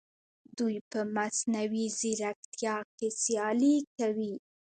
دوی په مصنوعي ځیرکتیا کې سیالي کوي.